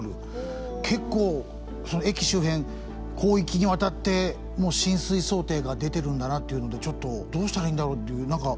結構駅周辺広域にわたって浸水想定が出てるんだなっていうのでちょっとどうしたらいいんだろうっていう何か。